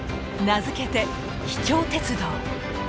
名付けて「秘境鉄道」。